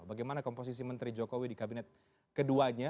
bagaimana komposisi menteri jokowi di kabinet keduanya